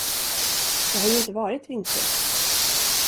Det har ju inte varit vinter.